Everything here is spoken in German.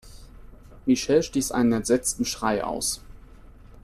Michelle stieß einen entsetzten Schrei aus.